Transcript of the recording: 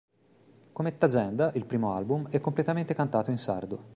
Come "Tazenda", il primo album, è completamente cantato in sardo.